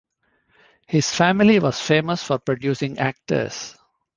His family was famous for producing actors.